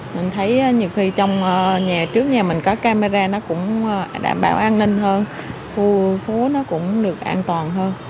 mình thấy nhiều khi trong nhà trước nhà mình có camera nó cũng đảm bảo an ninh hơn khu phố nó cũng được an toàn hơn